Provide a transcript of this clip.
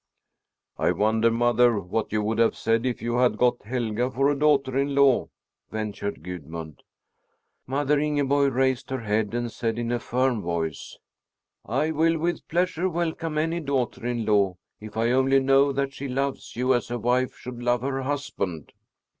"I wonder, mother, what you would have said if you had got Helga for a daughter in law?" ventured Gudmund. Mother Ingeborg raised her head and said in a firm voice, "I will with pleasure welcome any daughter in law if I only know that she loves you as a wife should love her husband."